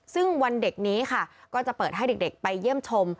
ซึ่งวันเด็กนี้ค่ะก็จะเปิดให้เด็กไปเยี่ยมชม